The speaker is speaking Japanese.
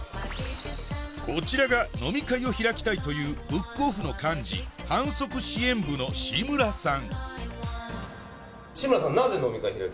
こちらが飲み会を開きたいというブックオフの幹事販促支援部の志村さん